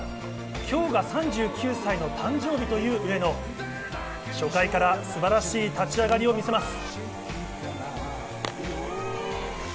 今日が３９歳の誕生日という上野、初回から素晴らしい立ち上がりをみせます。